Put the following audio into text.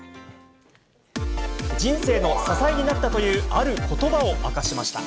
人生の支えになったという、あることばを明かしました。